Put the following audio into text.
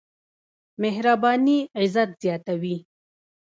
مهرباني عزت زياتوي.